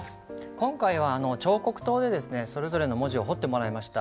今回は彫刻刀でそれぞれの文字を彫ってもらいました。